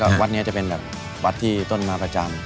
วัดนี้จะเป็นแบบวัดที่ต้นไม้ประจำ